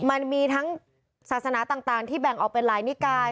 มันมีทั้งศาสนาต่างที่แบ่งออกเป็นหลายนิกาย